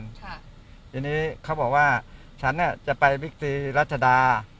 ค่ะทีนี้เขาบอกว่าฉันเนี้ยจะไปวิกษีรัชดา